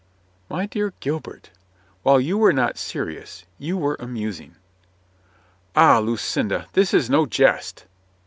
"My dear Gilbert, while you were not serious, you were amusing." "Ah, Lucinda, this is no jest